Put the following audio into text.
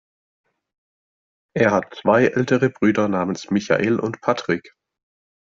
Er hat zwei ältere Brüder namens Michael und Patrick.